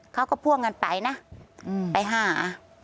เขาก็พ่วงกันไปนะไปหา